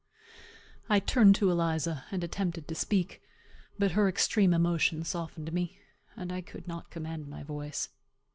I turned to Eliza, and attempted to speak; but her extreme emotion softened me, and I could not command my voice.